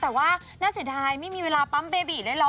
แต่ว่าน่าเสียดายไม่มีเวลาปั๊มเบบีเลยเหรอ